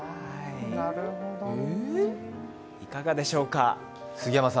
いかがでしょうか？